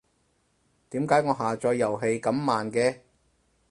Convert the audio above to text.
點解我下載遊戲咁慢嘅？